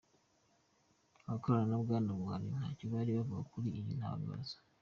Abakorana na Bwana Buhari ntacyo bari bavuga kuri iri tangazo.